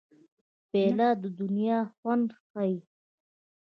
پیاله د دنیا خوند ښيي.